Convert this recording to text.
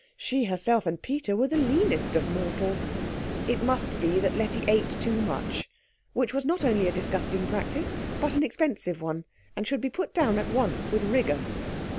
She herself and Peter were the leanest of mortals. It must be that Letty ate too much, which was not only a disgusting practice but an expensive one, and should be put down at once with rigour.